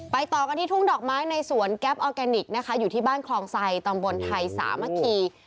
ต่อกันที่ทุ่งดอกไม้ในสวนแก๊ปออร์แกนิคนะคะอยู่ที่บ้านคลองไซตำบลไทยสามัคคี